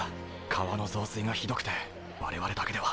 川の増水がひどくて我々だけでは。